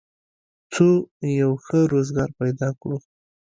څو یو ښه روزګار پیدا کړو